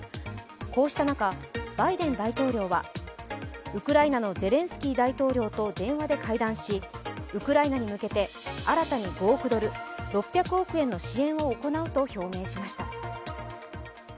こうした中、バイデン大統領はウクライナのゼレンスキー大統領と電話で会談し、ウクライナに向けて、新たに５億ドル、６００億円の支援を行うと表明しました。